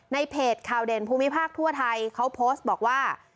ในเพจข่าวเด่นภูมิภาคทั่วไทยเขาโพสต์บอกว่า